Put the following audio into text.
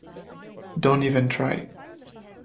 Don’t even try.